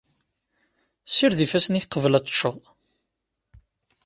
Sired ifassen-ik qbel ad teččeḍ.